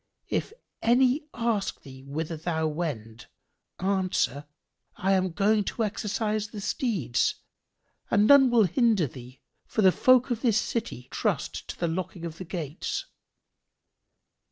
[FN#3] If any ask thee whither thou wend, answer, 'I am going to exercise the steeds,' and none will hinder thee; for the folk of this city trust to the locking of the gates."